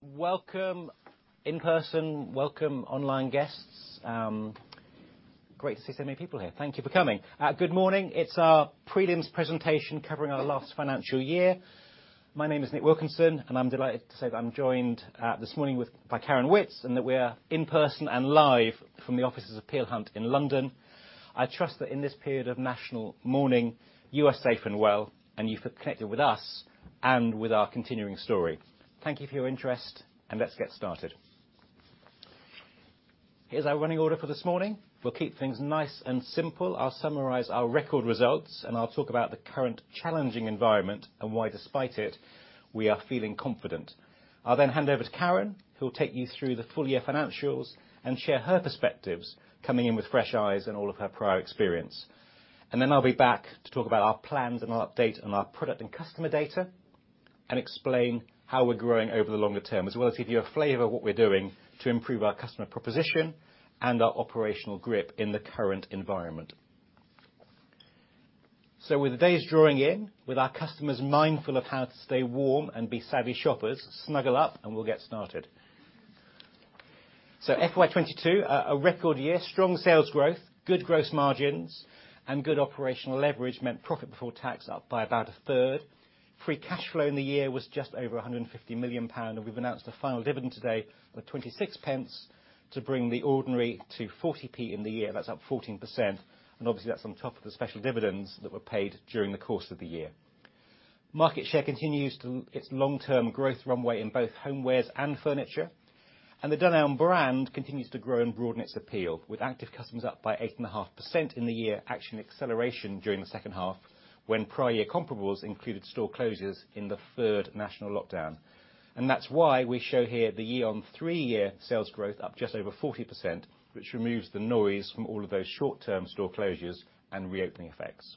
Welcome in person, welcome online guests. Great to see so many people here. Thank you for coming. Good morning. It's our prelims presentation covering our last financial year. My name is Nick Wilkinson, and I'm delighted to say that I'm joined this morning by Karen Witts, and that we're in person and live from the offices of Peel Hunt in London. I trust that in this period of national mourning, you are safe and well, and you feel connected with us and with our continuing story. Thank you for your interest, and let's get started. Here's our running order for this morning. We'll keep things nice and simple. I'll summarize our record results, and I'll talk about the current challenging environment and why, despite it, we are feeling confident. I'll then hand over to Karen, who will take you through the full year financials and share her perspectives coming in with fresh eyes and all of her prior experience. I'll be back to talk about our plans and our update and our product and customer data and explain how we're growing over the longer term, as well as give you a flavor of what we're doing to improve our customer proposition and our operational grip in the current environment. With the days drawing in, with our customers mindful of how to stay warm and be savvy shoppers, snuggle up and we'll get started. FY22, a record year, strong sales growth, good gross margins, and good operational leverage meant profit before tax up by about a third. Free cash flow in the year was just over 150 million pound, and we've announced a final dividend today of 0.26 to bring the ordinary to 40p in the year. That's up 14%, and obviously that's on top of the special dividends that were paid during the course of the year. Market share continues on its Long-term growth runway in both homewares and furniture, and the Dunelm brand continues to grow and broaden its appeal, with active customers up by 8.5% in the year, actually an acceleration during the second half when prior year comparables included store closures in the third national lockdown. That's why we show here the year-on-3-year sales growth up just over 40%, which removes the noise from all of those Short-Term store closures and reopening effects.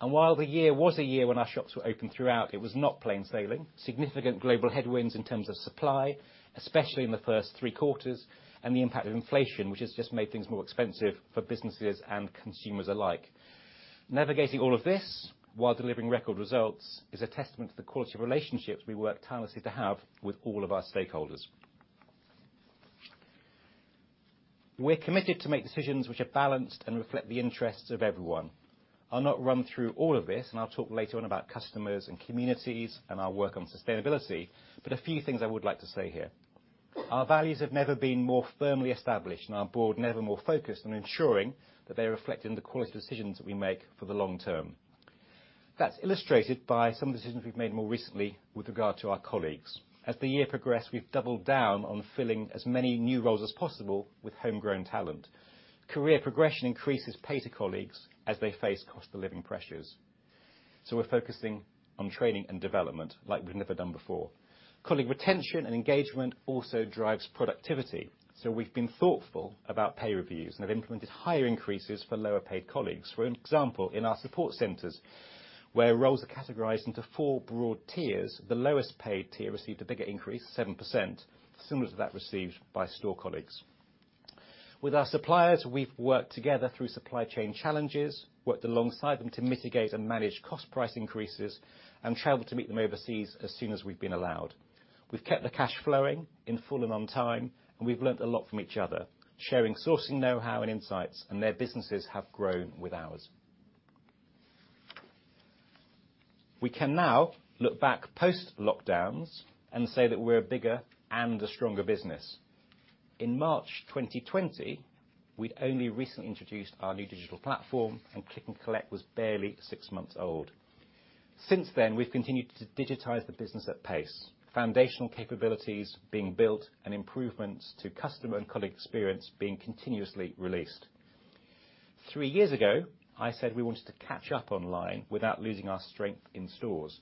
While the year was a year when our shops were open throughout, it was not plain sailing. Significant global headwinds in terms of supply, especially in the first 3 quarters, and the impact of inflation, which has just made things more expensive for businesses and consumers alike. Navigating all of this while delivering record results is a testament to the quality of relationships we work tirelessly to have with all of our stakeholders. We're committed to make decisions which are balanced and reflect the interests of everyone. I'll not run through all of this, and I'll talk later on about customers and communities and our work on sustainability, but a few things I would like to say here. Our values have never been more firmly established, and our board never more focused on ensuring that they are reflected in the quality of decisions that we make for the long term. That's illustrated by some decisions we've made more recently with regard to our colleagues. As the year progressed, we've doubled down on filling as many new roles as possible with homegrown talent. Career progression increases pay to colleagues as they face cost of living pressures. We're focusing on training and development like we've never done before. Colleague retention and engagement also drives productivity, so we've been thoughtful about pay reviews and have implemented higher increases for lower paid colleagues. For example, in our support centers, where roles are categorized into four broad tiers, the lowest paid tier received a bigger increase, 7%, similar to that received by store colleagues. With our suppliers, we've worked together through supply chain challenges, worked alongside them to mitigate and manage cost price increases, and traveled to meet them overseas as soon as we've been allowed. We've kept the cash flowing in full and on time, and we've learned a lot from each other, sharing sourcing Know-How and insights, and their businesses have grown with ours. We can now look back post-lockdowns and say that we're a bigger and a stronger business. In March 2020, we'd only recently introduced our new digital platform, and Click & Collect was barely 6 months old. Since then, we've continued to digitize the business at pace, foundational capabilities being built and improvements to customer and colleague experience being continuously released. Three years ago, I said we wanted to catch up online without losing our strength in stores.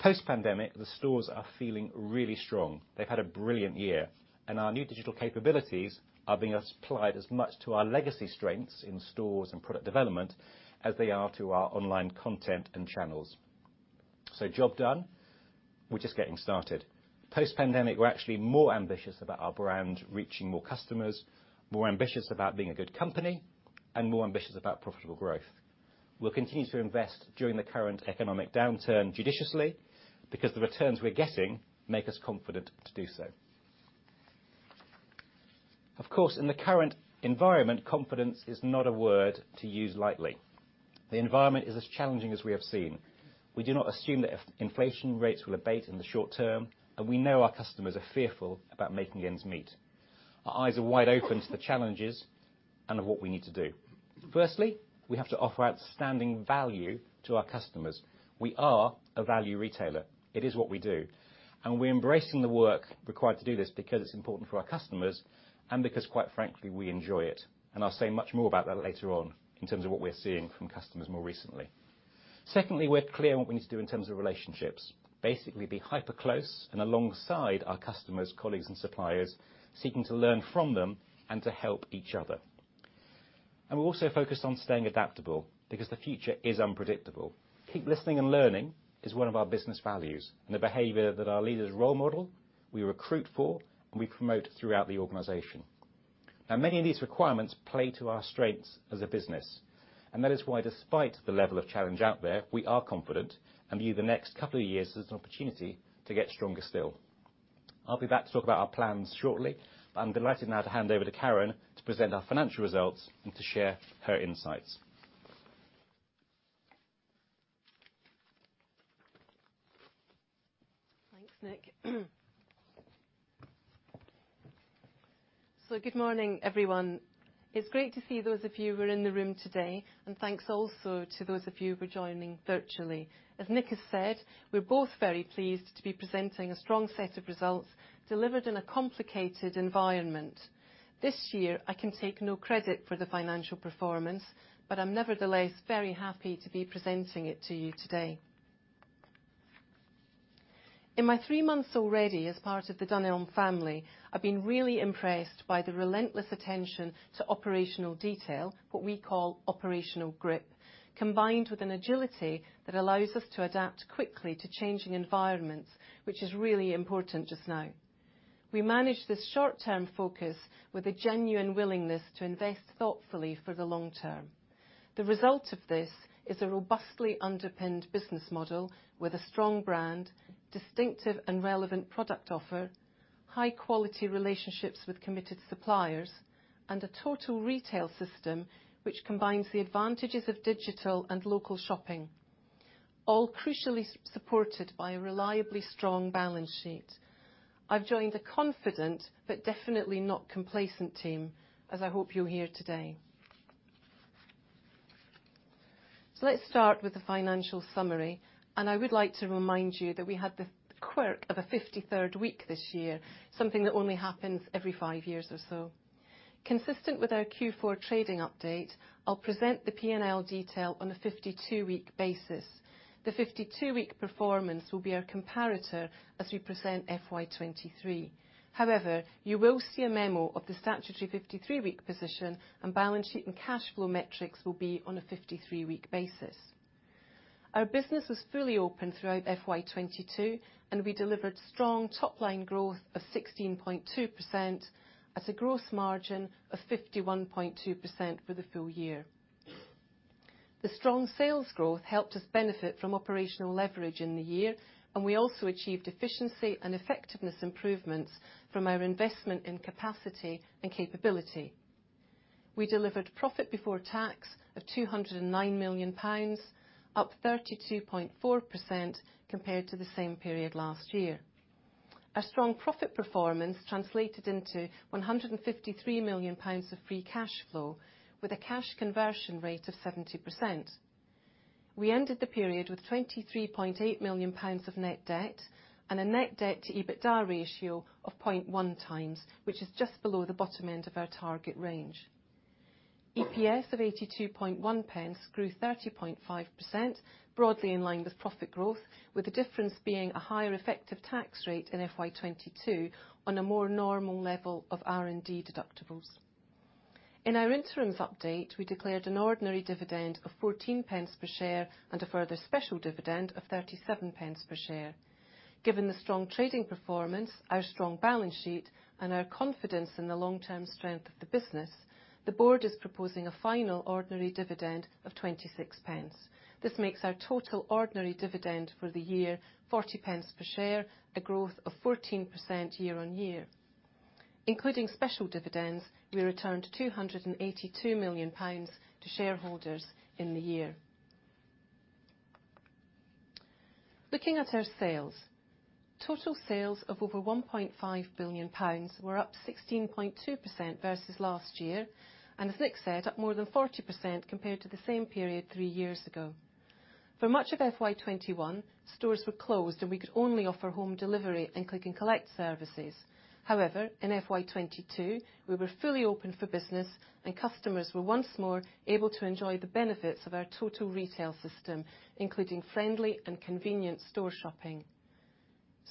Post-pandemic, the stores are feeling really strong. They've had a brilliant year, and our new digital capabilities are being applied as much to our legacy strengths in stores and product development as they are to our online content and channels. Job done, we're just getting started. Post-pandemic, we're actually more ambitious about our brand reaching more customers, more ambitious about being a good company, and more ambitious about profitable growth. We'll continue to invest during the current economic downturn judiciously because the returns we're getting make us confident to do so. Of course, in the current environment, confidence is not a word to use lightly. The environment is as challenging as we have seen. We do not assume that inflation rates will abate in the short term, and we know our customers are fearful about making ends meet. Our eyes are wide open to the challenges and of what we need to do. Firstly, we have to offer outstanding value to our customers. We are a value retailer. It is what we do. We're embracing the work required to do this because it's important for our customers and because, quite frankly, we enjoy it. I'll say much more about that later on in terms of what we're seeing from customers more recently. Secondly, we're clear on what we need to do in terms of relationships. Basically, be hyper close and alongside our customers, colleagues and suppliers, seeking to learn from them and to help each other. We're also focused on staying adaptable because the future is unpredictable. Keep listening and learning is one of our business values and the behavior that our leaders role model, we recruit for, and we promote throughout the organization. Now many of these requirements play to our strengths as a business. That is why despite the level of challenge out there, we are confident and view the next couple of years as an opportunity to get stronger still. I'll be back to talk about our plans shortly, but I'm delighted now to hand over to Karen to present our financial results and to share her insights. Thanks, Nick. Good morning, everyone. It's great to see those of you who are in the room today, and thanks also to those of you who are joining virtually. As Nick has said, we're both very pleased to be presenting a strong set of results delivered in a complicated environment. This year, I can take no credit for the financial performance, but I'm nevertheless very happy to be presenting it to you today. In my 3 months already as part of the Dunelm family, I've been really impressed by the relentless attention to operational detail, what we call operational grip, combined with an agility that allows us to adapt quickly to changing environments, which is really important just now. We manage this Short-Term focus with a genuine willingness to invest thoughtfully for the long term. The result of this is a robustly underpinned business model with a strong brand, distinctive and relevant product offer, high-quality relationships with committed suppliers, and a total retail system which combines the advantages of digital and local shopping, all crucially supported by a reliably strong balance sheet. I've joined a confident but definitely not complacent team, as I hope you'll hear today. Let's start with the financial summary, and I would like to remind you that we had the quirk of a 53rd week this year, something that only happens every 5 years or so. Consistent with our Q4 trading update, I'll present the P&L detail on a 52-week basis. The 52-week performance will be our comparator as we present FY23. However, you will see a memo of the statutory 53-week position and balance sheet and cash flow metrics will be on a 53-week basis. Our business was fully open throughout FY22, and we delivered strong Top-Line growth of 16.2% at a gross margin of 51.2% for the full year. The strong sales growth helped us benefit from operational leverage in the year, and we also achieved efficiency and effectiveness improvements from our investment in capacity and capability. We delivered profit before tax of 209 million pounds, up 32.4% compared to the same period last year. Our strong profit performance translated into 153 million pounds of free cash flow with a cash conversion rate of 70%. We ended the period with 23.8 million pounds of net debt and a net debt to EBITDA ratio of 0.1x, which is just below the bottom end of our target range. EPS of 82.1 pence grew 30.5%, broadly in line with profit growth, with the difference being a higher effective tax rate in FY22 on a more normal level of R&D deductibles. In our interim update, we declared an ordinary dividend of 14 pence per share and a further special dividend of 37 pence per share. Given the strong trading performance, our strong balance sheet and our confidence in the Long-term strength of the business, the board is proposing a final ordinary dividend of 26 pence. This makes our total ordinary dividend for the year 40 pence per share, a growth of 14% year on year. Including special dividends, we returned 282 million pounds to shareholders in the year. Looking at our sales. Total sales of over 1.5 billion pounds were up 16.2% versus last year, and as Nick said, up more than 40% compared to the same period 3 years ago. For much of FY21, stores were closed, and we could only offer home delivery and Click & Collect services. However, in FY22, we were fully open for business, and customers were once more able to enjoy the benefits of our total retail system, including friendly and convenient store shopping.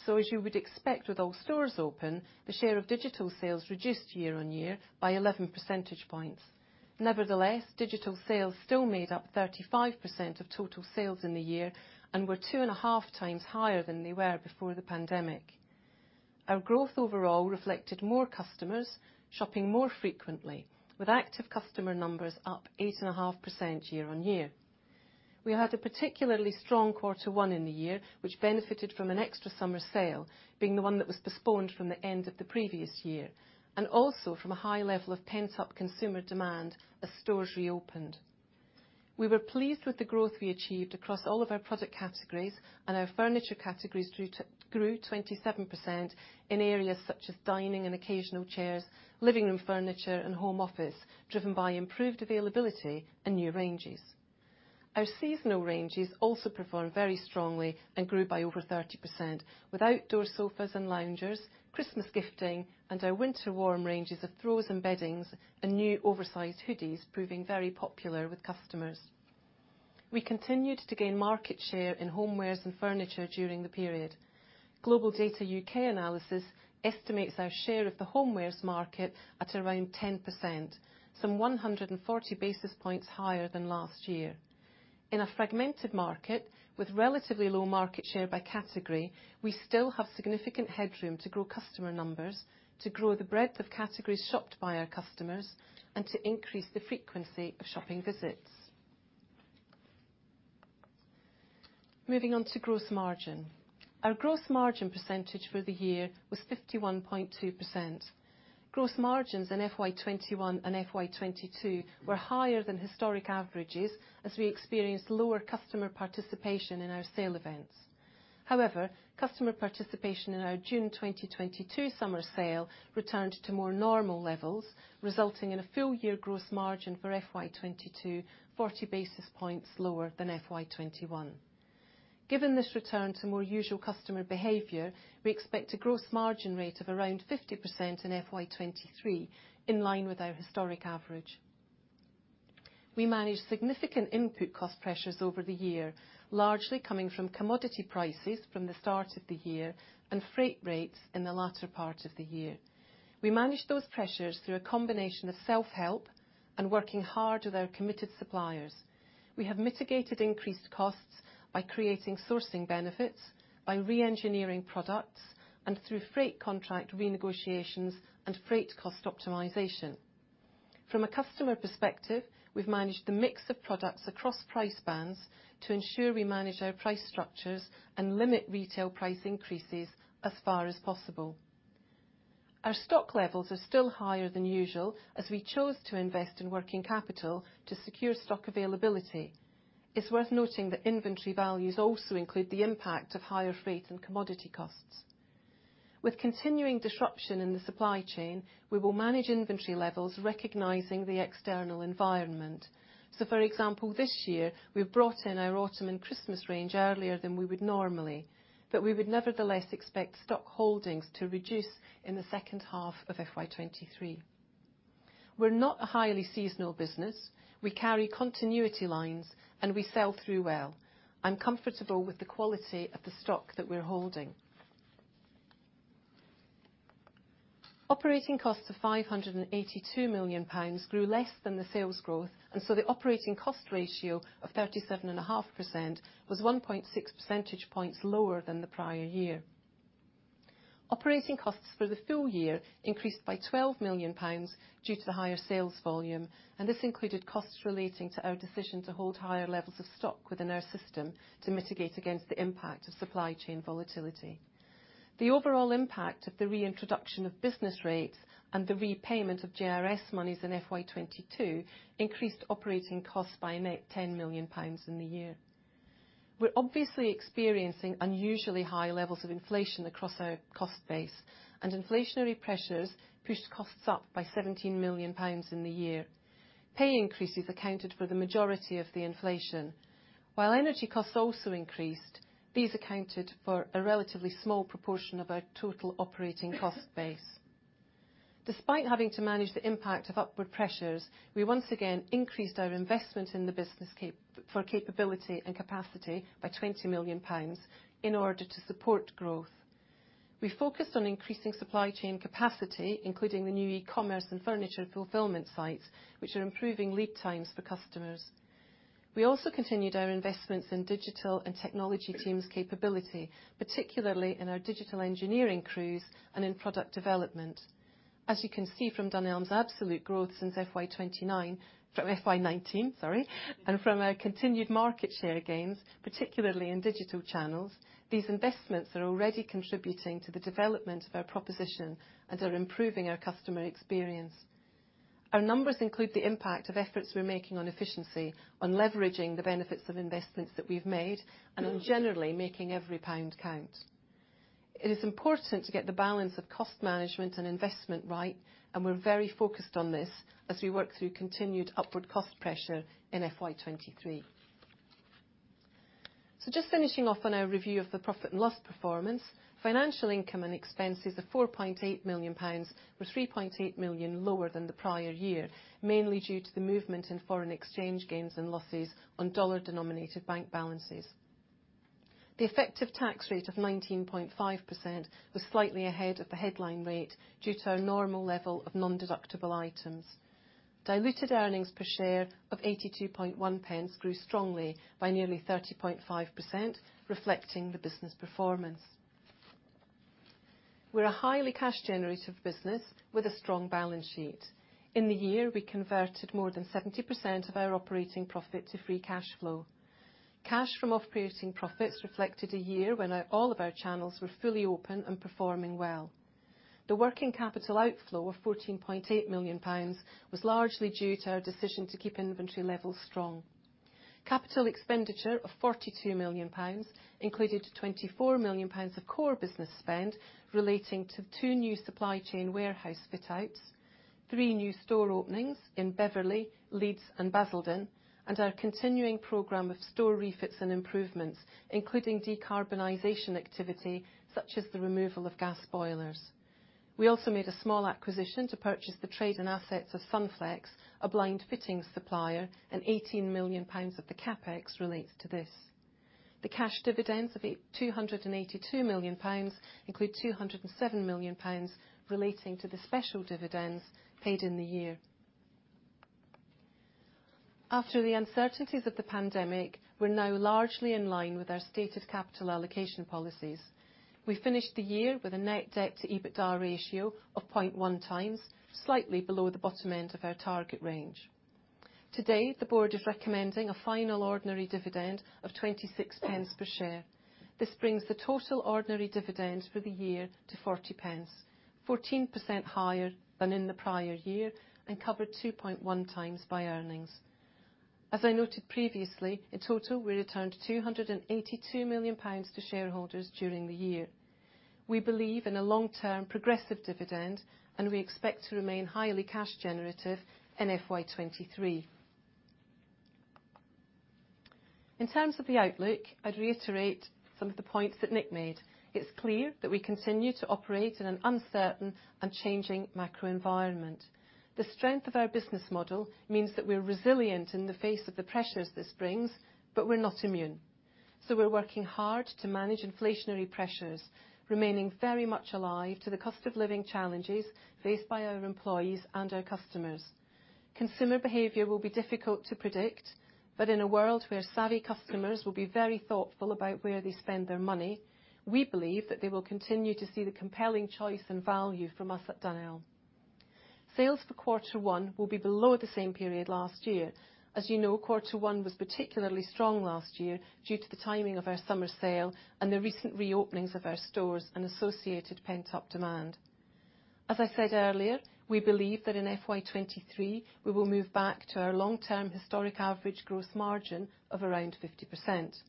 As you would expect with all stores open, the share of digital sales reduced Year-On-Year by 11 percentage points. Nevertheless, digital sales still made up 35% of total sales in the year and were 2.5 times higher than they were before the pandemic. Our growth overall reflected more customers shopping more frequently with active customer numbers up 8.5% year-on-year. We had a particularly strong 1/4 one in the year, which benefited from an extra summer sale being the one that was postponed from the end of the previous year, and also from a high level of pent-up consumer demand as stores reopened. We were pleased with the growth we achieved across all of our product categories and our furniture categories grew 27% in areas such as dining and occasional chairs, living room furniture and home office, driven by improved availability and new ranges. Our seasonal ranges also performed very strongly and grew by over 30% with outdoor sofas and loungers, Christmas gifting and our Winter Warm ranges of throws and bedding and new oversized hoodies proving very popular with customers. We continued to gain market share in homewares and furniture during the period. GlobalData UK analysis estimates our share of the homewares market at around 10%, some 140 basis points higher than last year. In a fragmented market with relatively low market share by category, we still have significant headroom to grow customer numbers, to grow the breadth of categories shopped by our customers, and to increase the frequency of shopping visits. Moving on to gross margin. Our gross margin percentage for the year was 51.2%. Gross margins in FY21 and FY22 were higher than historic averages as we experienced lower customer participation in our sale events. However, customer participation in our June 2022 summer sale returned to more normal levels, resulting in a full year gross margin for FY22 40 basis points lower than FY21. Given this return to more usual customer behavior, we expect a gross margin rate of around 50% in FY23, in line with our historic average. We managed significant input cost pressures over the year, largely coming from commodity prices from the start of the year and freight rates in the latter part of the year. We managed those pressures through a combination of self-help and working hard with our committed suppliers. We have mitigated increased costs by creating sourcing benefits, by Re-Engineering products, and through freight contract renegotiations and freight cost optimization. From a customer perspective, we've managed the mix of products across price bands to ensure we manage our price structures and limit retail price increases as far as possible. Our stock levels are still higher than usual as we chose to invest in working capital to secure stock availability. It's worth noting that inventory values also include the impact of higher freight and commodity costs. With continuing disruption in the supply chain, we will manage inventory levels, recognizing the external environment. For example, this year we've brought in our autumn and Christmas range earlier than we would normally. We would nevertheless expect stock holdings to reduce in the second half of FY23. We're not a highly seasonal business. We carry continuity lines and we sell through well. I'm comfortable with the quality of the stock that we're holding. Operating costs of 582 million pounds grew less than the sales growth, and so the operating cost ratio of 37.5% was 1.6 percentage points lower than the prior year. Operating costs for the full year increased by 12 million pounds due to the higher sales volume, and this included costs relating to our decision to hold higher levels of stock within our system to mitigate against the impact of supply chain volatility. The overall impact of the reintroduction of business rates and the repayment of JRS monies in FY22 increased operating costs by 10 million pounds in the year. We're obviously experiencing unusually high levels of inflation across our cost base and inflationary pressures pushed costs up by 17 million pounds in the year. Pay increases accounted for the majority of the inflation. While energy costs also increased, these accounted for a relatively small proportion of our total operating cost base. Despite having to manage the impact of upward pressures, we once again increased our investment in the business for capability and capacity by 20 million pounds in order to support growth. We focused on increasing supply chain capacity, including the new E-Commerce and furniture fulfillment sites, which are improving lead times for customers. We also continued our investments in digital and technology teams capability, particularly in our digital engineering crews and in product development. As you can see from Dunelm's absolute growth since FY19, sorry, and from our continued market share gains, particularly in digital channels, these investments are already contributing to the development of our proposition and are improving our customer experience. Our numbers include the impact of efforts we're making on efficiency, on leveraging the benefits of investments that we've made and on generally making every pound count. It is important to get the balance of cost management and investment right and we're very focused on this as we work through continued upward cost pressure in FY23. Just finishing off on our review of the profit and loss performance. Financial income and expenses of 4.8 million pounds were 3.8 million lower than the prior year, mainly due to the movement in foreign exchange gains and losses on dollar-denominated bank balances. The effective tax rate of 19.5% was slightly ahead of the headline rate due to our normal level of nondeductible items. Diluted earnings per share of 82.1 pence grew strongly by nearly 30.5%, reflecting the business performance. We're a highly cash generative business with a strong balance sheet. In the year, we converted more than 70% of our operating profit to free cash flow. Cash from operations reflected a year when all of our channels were fully open and performing well. The working capital outflow of GBP 14.8 million was largely due to our decision to keep inventory levels strong. Capital expenditure of 42 million pounds included 24 million pounds of core business spend relating to 2 new supply chain warehouse fit outs, 3 new store openings in Beverley, Leeds and Basildon, and our continuing program of store refits and improvements, including decarbonization activity such as the removal of gas boilers. We also made a small acquisition to purchase the trade and assets of Sunflex, a blind fitting supplier, and 18 million pounds of the CapEx relates to this. The cash dividends of 828 million pounds include 207 million pounds relating to the special dividends paid in the year. After the uncertainties of the pandemic, we're now largely in line with our stated capital allocation policies. We finished the year with a net debt to EBITDA ratio of 0.1 times, slightly below the bottom end of our target range. Today, the board is recommending a final ordinary dividend of 0.26 per share. This brings the total ordinary dividend for the year to 0.40, 14% higher than in the prior year and covered 2.1 times by earnings. As I noted previously, in total, we returned 282 million pounds to shareholders during the year. We believe in a Long-term progressive dividend, and we expect to remain highly cash generative in FY 23. In terms of the outlook, I'd reiterate some of the points that Nick made. It's clear that we continue to operate in an uncertain and changing macro environment. The strength of our business model means that we're resilient in the face of the pressures this brings, but we're not immune. We're working hard to manage inflationary pressures, remaining very much alive to the cost of living challenges faced by our employees and our customers. Consumer behavior will be difficult to predict, but in a world where savvy customers will be very thoughtful about where they spend their money, we believe that they will continue to see the compelling choice and value from us at Dunelm. Sales for 1/4 one will be below the same period last year. As you know, 1/4 one was particularly strong last year due to the timing of our summer sale and the recent reopenings of our stores and associated pent-up demand. As I said earlier, we believe that in FY23, we will move back to our Long-term historic average gross margin of around 50%.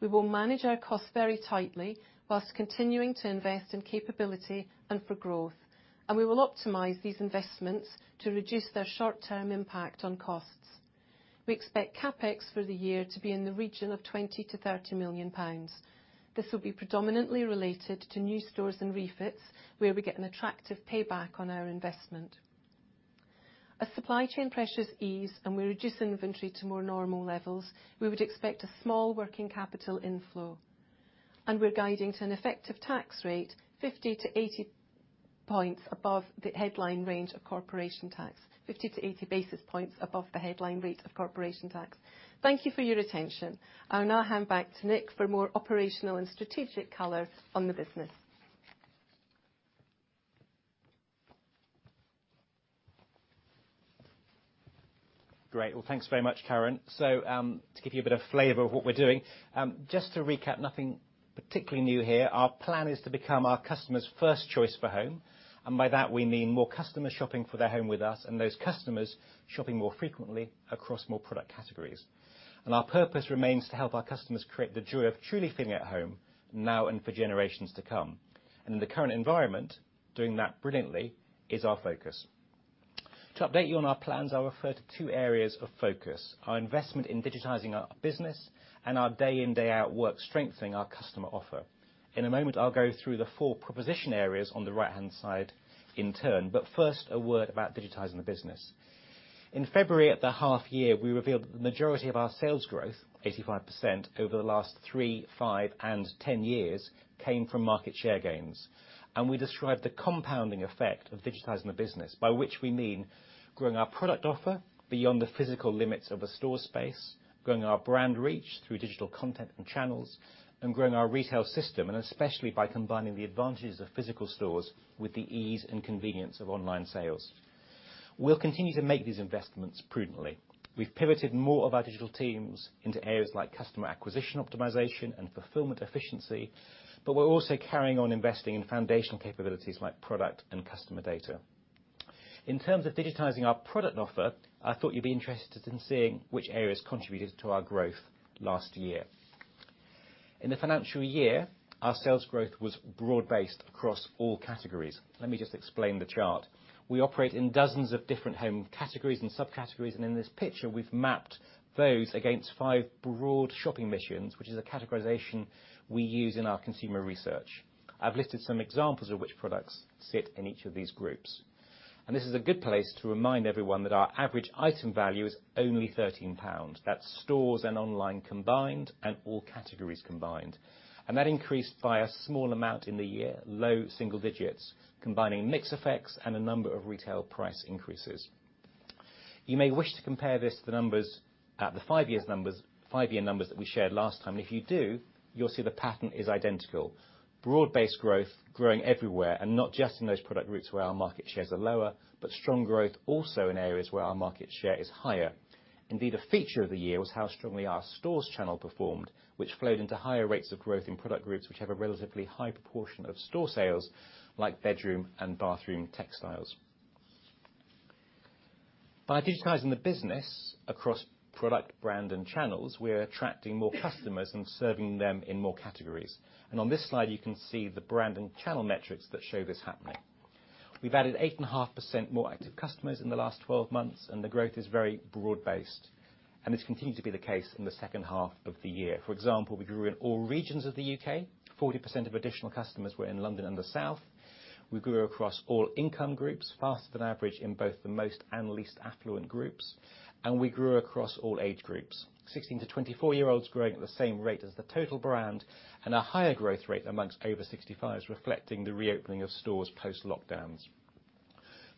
We will manage our costs very tightly while continuing to invest in capability and for growth, and we will optimize these investments to reduce their Short-Term impact on costs. We expect CapEx for the year to be in the region of 20 million-30 million pounds. This will be predominantly related to new stores and refits, where we get an attractive payback on our investment. As supply chain pressures ease and we reduce inventory to more normal levels, we would expect a small working capital inflow. We're guiding to an effective tax rate 50-80 points above the headline range of corporation tax. 50-80 basis points above the headline rate of corporation tax. Thank you for your attention. I'll now hand back to Nick for more operational and strategic color on the business. Great. Well, thanks very much, Karen. To give you a bit of flavor of what we're doing, just to recap, nothing particularly new here, our plan is to become our customers' first choice for home. By that we mean more customers shopping for their home with us, and those customers shopping more frequently across more product categories. Our purpose remains to help our customers create the joy of truly feeling at home now and for generations to come. In the current environment, doing that brilliantly is our focus. To update you on our plans, I'll refer to 2 areas of focus, our investment in digitizing our business and our day in, day out work strengthening our customer offer. In a moment, I'll go through the four proposition areas on the right-hand side in turn. First, a word about digitizing the business. In February, at the half year, we revealed that the majority of our sales growth, 85%, over the last 3, 5 and 10 years came from market share gains. We described the compounding effect of digitizing the business, by which we mean growing our product offer beyond the physical limits of a store space, growing our brand reach through digital content and channels, and growing our retail system, and especially by combining the advantages of physical stores with the ease and convenience of online sales. We'll continue to make these investments prudently. We've pivoted more of our digital teams into areas like customer acquisition optimization and fulfillment efficiency, but we're also carrying on investing in foundational capabilities like product and customer data. In terms of digitizing our product offer, I thought you'd be interested in seeing which areas contributed to our growth last year. In the financial year, our sales growth was Broad-Based across all categories. Let me just explain the chart. We operate in dozens of different home categories and subcategories, and in this picture we've mapped those against 5 broad shopping missions, which is a categorization we use in our consumer research. I've listed some examples of which products sit in each of these groups. This is a good place to remind everyone that our average item value is only 13 pounds. That's stores and online combined and all categories combined. That increased by a small amount in the year, low single digits, combining mix effects and a number of retail price increases. You may wish to compare this to the numbers at the 5-year numbers that we shared last time. If you do, you'll see the pattern is identical. Broad-based growth growing everywhere, and not just in those product groups where our market shares are lower, but strong growth also in areas where our market share is higher. Indeed, a feature of the year was how strongly our stores channel performed, which flowed into higher rates of growth in product groups which have a relatively high proportion of store sales, like bedroom and bathroom textiles. By digitizing the business across product, brand, and channels, we're attracting more customers and serving them in more categories. On this slide, you can see the brand and channel metrics that show this happening. We've added 8.5% more active customers in the last 12 months, and the growth is very Broad-Based, and this continued to be the case in the second half of the year. For example, we grew in all regions of the UK. 40% of additional customers were in London and the South. We grew across all income groups, faster than average in both the most and least affluent groups. We grew across all age groups. 16- to 24-Year-Olds growing at the same rate as the total brand, and a higher growth rate amongst over 65s reflecting the reopening of stores post-lockdowns.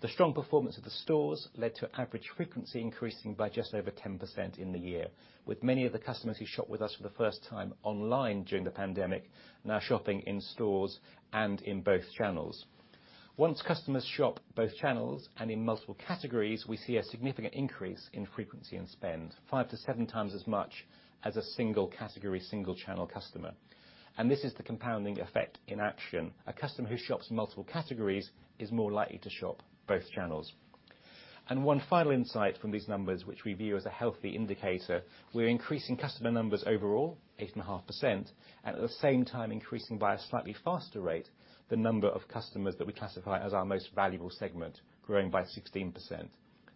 The strong performance of the stores led to average frequency increasing by just over 10% in the year, with many of the customers who shopped with us for the first time online during the pandemic now shopping in stores and in both channels. Once customers shop both channels and in multiple categories, we see a significant increase in frequency and spend, 5-7 times as much as a single category, single channel customer. This is the compounding effect in action. A customer who shops multiple categories is more likely to shop both channels. One final insight from these numbers, which we view as a healthy indicator, we're increasing customer numbers overall, 8.5%, and at the same time increasing by a slightly faster rate the number of customers that we classify as our most valuable segment, growing by 16%.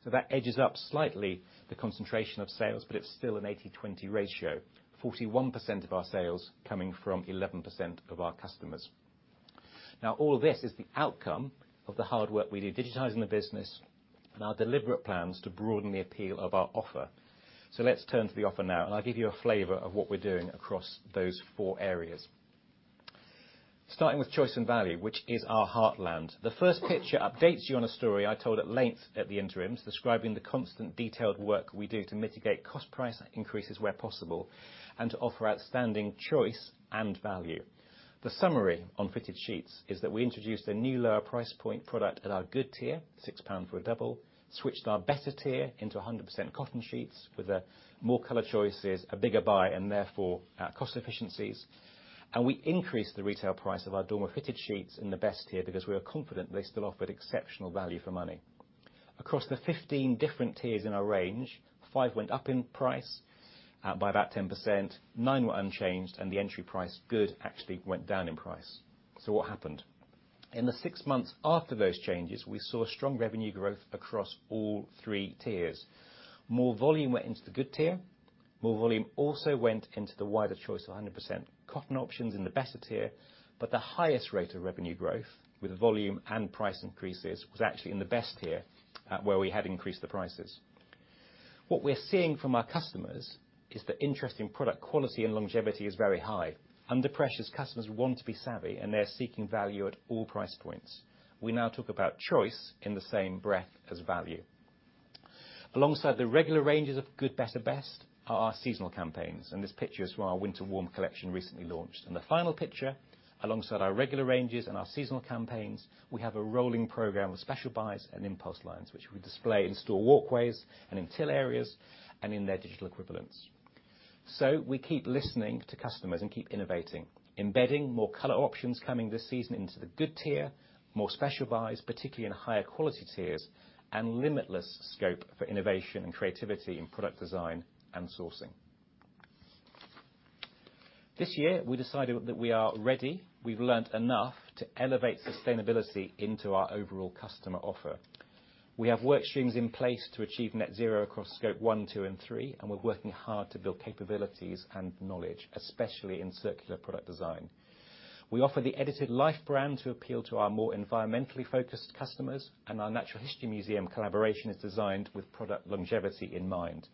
That edges up slightly the concentration of sales, but it's still an 80/20 ratio. 41% of our sales coming from 11% of our customers. Now, all of this is the outcome of the hard work we do digitizing the business and our deliberate plans to broaden the appeal of our offer. Let's turn to the offer now, and I'll give you a flavor of what we're doing across those four areas. Starting with choice and value, which is our heartland. The first picture updates you on a story I told at length at the interims, describing the constant detailed work we do to mitigate cost price increases where possible and to offer outstanding choice and value. The summary on fitted sheets is that we introduced a new lower price point product at our good tier, 6 pound for a double, switched our better tier into 100% cotton sheets with more color choices, a bigger buy and therefore cost efficiencies. We increased the retail price of our Dorma fitted sheets in the best tier because we are confident they still offered exceptional value for money. Across the 15 different tiers in our range, 5 went up in price by about 10%, 9 were unchanged, and the entry price good actually went down in price. What happened? In the 6 months after those changes, we saw strong revenue growth across all 3 tiers. More volume went into the good tier. More volume also went into the wider choice of 100% cotton options in the better tier. The highest rate of revenue growth with volume and price increases was actually in the best tier where we had increased the prices. What we're seeing from our customers is the interest in product quality and longevity is very high. Under pressures, customers want to be savvy, and they're seeking value at all price points. We now talk about choice in the same breath as value. Alongside the regular ranges of good, better, best are our seasonal campaigns, and this picture is from our Winter Warm collection recently launched. In the final picture, alongside our regular ranges and our seasonal campaigns, we have a rolling program of special buys and impulse lines which we display in store walkways and in till areas and in their digital equivalents. We keep listening to customers and keep innovating, embedding more color options coming this season into the good tier, more special buys, particularly in higher quality tiers, and limitless scope for innovation and creativity in product design and sourcing. This year, we decided that we are ready, we've learned enough to elevate sustainability into our overall customer offer. We have work streams in place to achieve net zero across Scope 1, 2 and 3, and we're working hard to build capabilities and knowledge, especially in circular product design. We offer The Edited Life brand to appeal to our more environmentally focused customers, and our Natural History Museum collaboration is designed with product longevity in mind.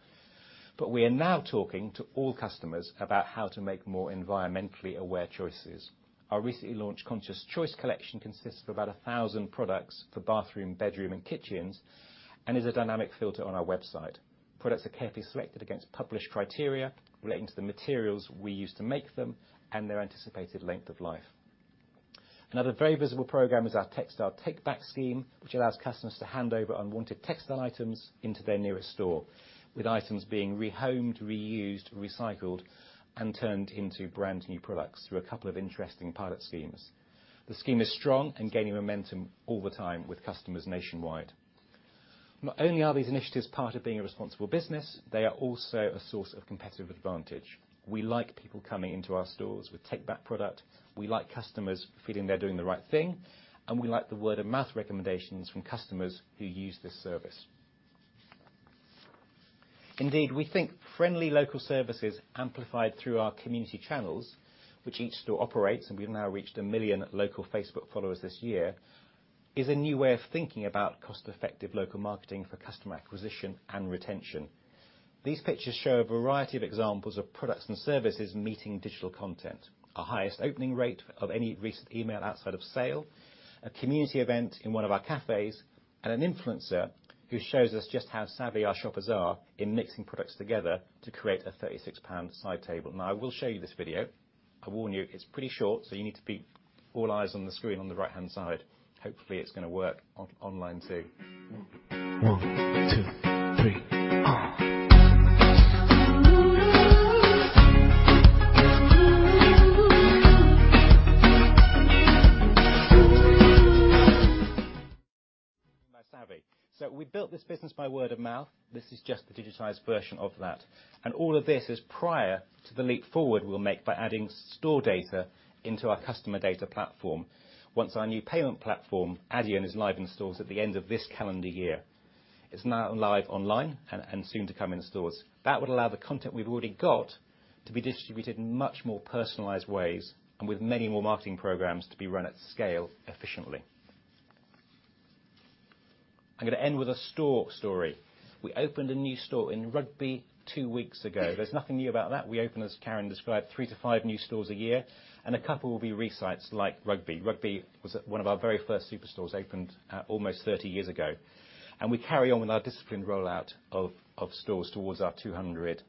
We are now talking to all customers about how to make more environmentally aware choices. Our recently launched Conscious Choice collection consists of about 1,000 products for bathroom, bedroom and kitchens, and is a dynamic filter on our website. Products are carefully selected against published criteria relating to the materials we use to make them and their anticipated length of life. Another very visible program is our Textile Takeback scheme, which allows customers to hand over unwanted textile items into their nearest store, with items being rehomed, reused, recycled, and turned into brand new products through a couple of interesting pilot schemes. The scheme is strong and gaining momentum all the time with customers nationwide. Not only are these initiatives part of being a responsible business, they are also a source of competitive advantage. We like people coming into our stores with take back product, we like customers feeling they're doing the right thing, and we like the word-of-mouth recommendations from customers who use this service. Indeed, we think friendly local services amplified through our community channels, which each store operates, and we've now reached 1 million local Facebook followers this year, is a new way of thinking about cost-effective local marketing for customer acquisition and retention. These pictures show a variety of examples of products and services meeting digital content. Our highest opening rate of any recent email outside of sale, a community event in one of our cafes, and an influencer who shows us just how savvy our shoppers are in mixing products together to create a 36 pound side table. Now, I will show you this video. I warn you, it's pretty short, so you need to be all eyes on the screen on the right-hand side. Hopefully, it's gonna work online too. 1, 2, 3. Savvy. We built this business by word of mouth. This is just the digitized version of that. All of this is prior to the leap forward we'll make by adding store data into our customer data platform once our new payment platform, Adyen, is live in stores at the end of this calendar year. It's now live online and soon to come in stores. That would allow the content we've already got to be distributed in much more personalized ways and with many more marketing programs to be run at scale efficiently. I'm gonna end with a store story. We opened a new store in Rugby 2 weeks ago. There's nothing new about that. We open, as Karen described, 3-5 new stores a year, and a couple will be resites like Rugby. Rugby was at one of our very first super stores, opened almost 30 years ago. We carry on with our disciplined rollout of stores towards our 200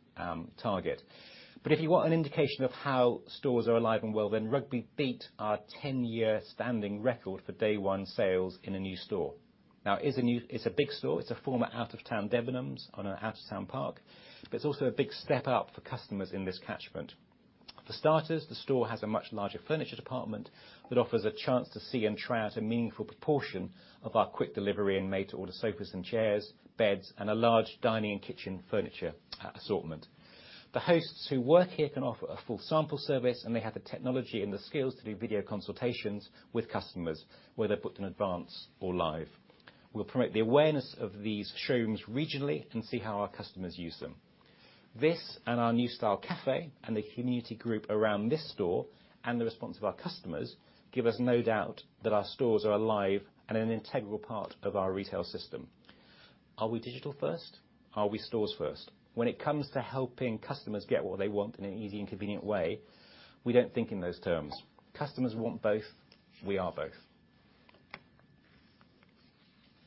target. If you want an indication of how stores are alive and well, then Rugby beat our 10-Year standing record for day one sales in a new store. Now, it's a big store. It's a former Out-Of-Town Debenhams on an Out-Of-Town retail park, but it's also a big step up for customers in this catchment. For starters, the store has a much larger furniture department that offers a chance to see and try out a meaningful proportion of our quick delivery and made-to-order sofas and chairs, beds, and a large dining and kitchen furniture assortment. The hosts who work here can offer a full sample service, and they have the technology and the skills to do video consultations with customers, whether booked in advance or live. We'll promote the awareness of these showrooms regionally and see how our customers use them. This and our new style cafe and the community group around this store and the response of our customers give us no doubt that our stores are alive and an integral part of our retail system. Are we digital first? Are we stores first? When it comes to helping customers get what they want in an easy and convenient way, we don't think in those terms. Customers want both, we are both.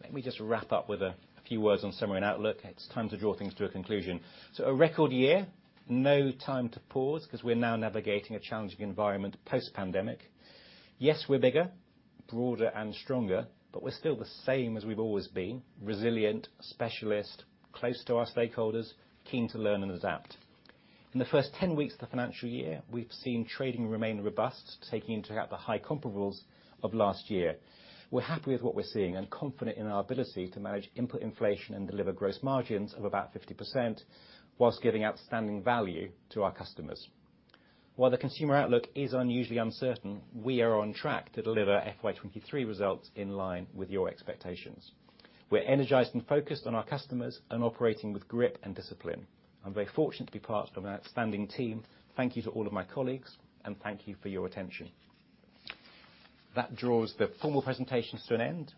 Let me just wrap up with a few words on summary and outlook. It's time to draw things to a conclusion. A record year, no time to pause 'cause we're now navigating a challenging environment post-pandemic. Yes, we're bigger, broader, and stronger, but we're still the same as we've always been, resilient, specialist, close to our stakeholders, keen to learn and adapt. In the first 10 weeks of the financial year, we've seen trading remain robust, taking into account the high comparables of last year. We're happy with what we're seeing and confident in our ability to manage input inflation and deliver gross margins of about 50% while giving outstanding value to our customers. While the consumer outlook is unusually uncertain, we are on track to deliver FY23 results in line with your expectations. We're energized and focused on our customers and operating with grit and discipline. I'm very fortunate to be part of an outstanding team. Thank you to all of my colleagues, and thank you for your attention. That draws the formal presentations to an end.